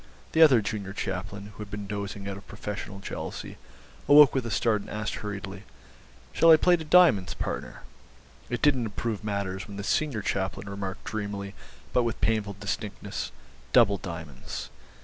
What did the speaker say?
The other junior chaplain, who had been dozing out of professional jealousy, awoke with a start and asked hurriedly, 'Shall I play to diamonds, partner?' It didn't improve matters when the senior chaplain remarked dreamily but with painful distinctness, 'Double diamonds.